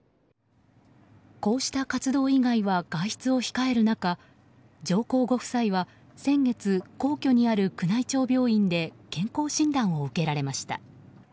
こうした活動以外は外出を控える中上皇ご夫妻は先月皇居にある宮内庁病院で健康診断を受けられました。